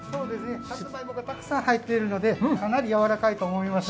さつまいもがたくさん入っているので、やわらかいと思います。